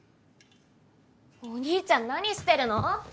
お義兄ちゃん何してるの？